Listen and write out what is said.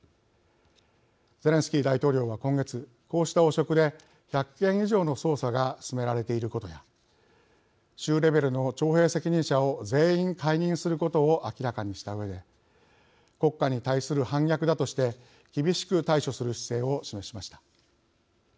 ゼレンスキー大統領は今月こうした汚職で１００件以上の捜査が進められていることや州レベルの徴兵責任者を全員解任することを明らかにしたうえで国家に対する反逆だとして厳しく対処する姿勢を示しました。